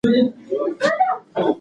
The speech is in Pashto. کاشکي ما له خپل زوی سره خبرې کړې وای.